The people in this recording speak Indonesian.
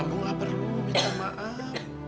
ambo tidak perlu minta maaf